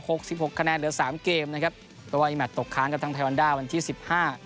สิบหกคะแนนเหลือสามเกมนะครับเพราะว่าอีแมทตกค้างกับทางไทยวันด้าวันที่สิบห้า